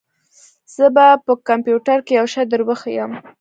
زه به په کمپيوټر کښې يو شى دروښييم.